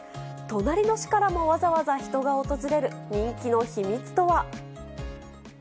隣の市からもわざわざ人が訪れる人気の秘密とは。